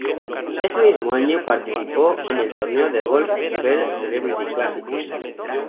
Ese mismo año participó en el torneo de golf "Bell Celebrity Classic".